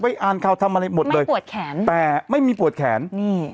อ่านข่าวทำอะไรหมดเลยปวดแขนแต่ไม่มีปวดแขนนี่